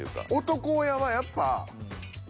男親はやっぱ。